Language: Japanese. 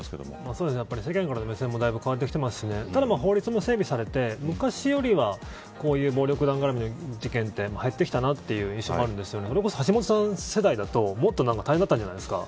そうですね、やっぱり世間からの目線もだいぶ変わってきてますしただ法律も整備されて、昔よりはこういう暴力団がらみの事件って減ってきた印象もあるんですけど橋下さん世代だともっと大変だったんじゃないですか。